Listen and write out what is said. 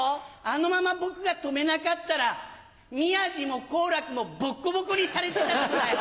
あのまま僕が止めなかったら宮治も好楽もボッコボコにされてたとこだよ。